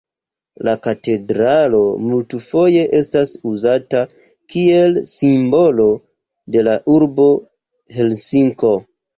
La katedralo multfoje estas uzata kiel simbolo de la urbo Helsinko.